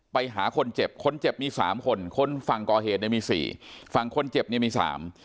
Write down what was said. ไปหาคนเจ็บคนเจ็บมีสามคนคนฝั่งก่อเหตุเนี่ยมีสี่ฝั่งคนเจ็บเนี่ยมีสาม